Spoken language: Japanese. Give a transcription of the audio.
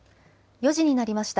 ４時になりました。